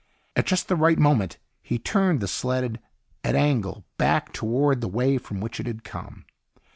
At just the right moment he turned the sled at angle back toward the way from which it had come.